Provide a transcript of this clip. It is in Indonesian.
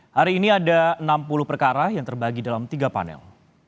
hari ini ada enam puluh perkara yang terbagi dalam tiga panel